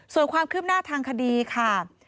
ส่วนความคืบหน้าทางคดีค่ะ